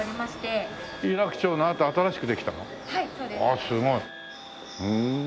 あすごい。